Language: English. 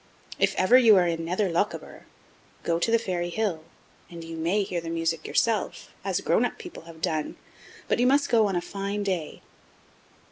If ever you are in Nether Lochaber, go to the Fairy Hill, and you may hear the music yourself, as grown up people have done, but you must goon a fine day.